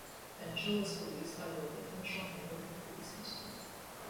Benchill is policed by the Wythenshawe Neighbourhood Policing Team.